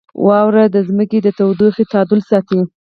• واوره د ځمکې د تودوخې تعادل ساتي.